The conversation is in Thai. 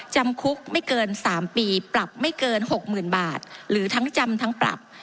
จำคุกไม่เกิน๓ปีปรับไม่เกิน๖๐๐๐บาทหรือทั้งจำทั้งปรับ